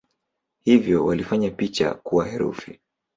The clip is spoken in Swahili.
Hivyo walifanya picha kuwa herufi.